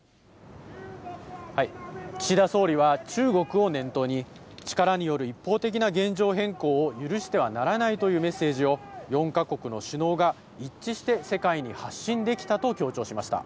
岸田総理は、中国を念頭に、力による一方的な現状変更を許してはならないというメッセージを、４か国の首脳が一致して世界に発信できたと強調しました。